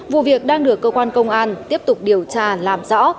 vụ việc đang được cơ quan công an tiếp tục điều tra làm rõ